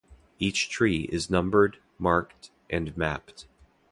Each tree is numbered, marked, and mapped.